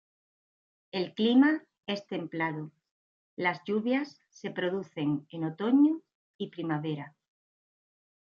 El clima es templado; las lluvias se producen en otoño y primavera.